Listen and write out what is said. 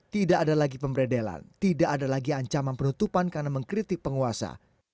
tidak ada lagi pemberedelan tidak ada lagi ancaman penutupan karena mengkritik penguasa